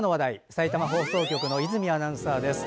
さいたま放送局の泉アナウンサーです。